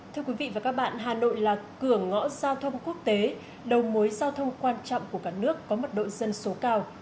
thưa quý vị và các bạn hà nội là cửa ngõ giao thông quốc tế đầu mối giao thông quan trọng của cả nước có mật độ dân số cao